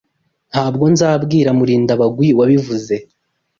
Ntabwo nzabwira Murindabigwi wabivuze.